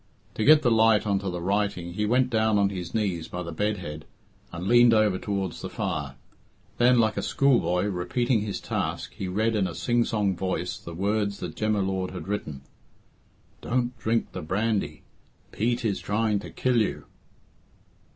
To get the light on to the writing he went down on his knees by the bed head and leaned over towards the fire. Then, like a school boy repeating his task, he read in a singsong voice the words that Jem y Lord had written: "Don't drink the brandy. Pete is trying to kill you."